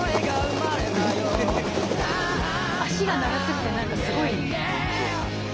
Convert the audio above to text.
脚が長すぎて何かすごい。